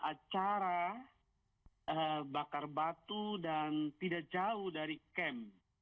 acara bakar batu dan tidak jauh dari kem